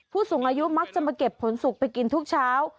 ผู้สูงอายุมักจะมาเก็บผลสุกไปกินทุกเช้า